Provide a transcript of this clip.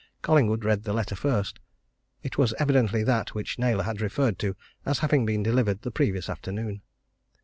Collingwood read the letter first it was evidently that which Naylor had referred to as having been delivered the previous afternoon.